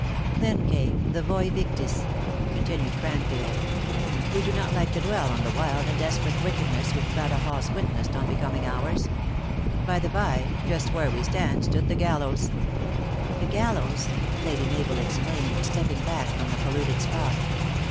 Then came thevcevictis" continued 296 THE ACTRESS IN HIGH LIFE. Cranfield. " We do not like to dwell on the wild and desperate wickedness which Badajoz witnessed on be coming ours. By the by, just where we stand stood the gallows." "The gallows!" Lady Mabel exclaimed, stepping back from the polluted spot.